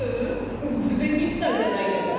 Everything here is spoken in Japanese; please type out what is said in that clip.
ウズベキスタンじゃないんだから。